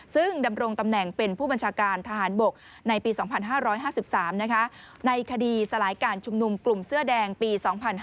ซึ่งดำรงตำแหน่งเป็นผู้บัญชาการทหารบกในปี๒๕๕๓ในคดีสลายการชุมนุมกลุ่มเสื้อแดงปี๒๕๕๙